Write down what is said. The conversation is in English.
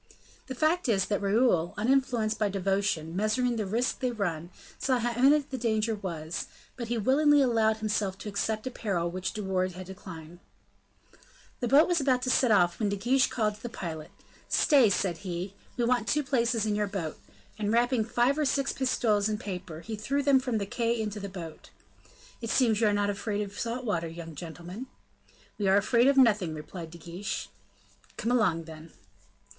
The fact is, that Raoul, uninfluenced by devotion, measuring the risk they run, saw how imminent the danger was, but he willingly allowed himself to accept a peril which De Wardes had declined. The boat was about to set off when De Guiche called to the pilot. "Stay," said he: "we want two places in your boat;" and wrapping five or six pistoles in paper, he threw them from the quay into the boat. "It seems you are not afraid of salt water, young gentlemen." "We are afraid of nothing," replied De Guiche. "Come along, then."